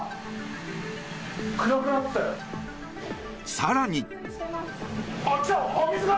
更に。